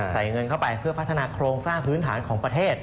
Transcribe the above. ใส่เงินเข้าไปเพื่อพัฒนาโครงสร้างพื้นฐานของประเทศ